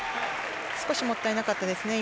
少しもったいなかったですね。